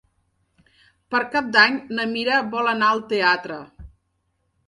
Per Cap d'Any na Mira vol anar al teatre.